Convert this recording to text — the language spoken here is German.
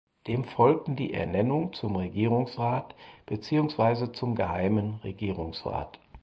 Dem folgten die Ernennung zum Regierungsrat beziehungsweise zum geheimen Regierungsrat.